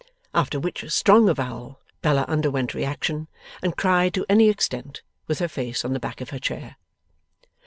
After which strong avowal Bella underwent reaction, and cried to any extent, with her face on the back of her chair.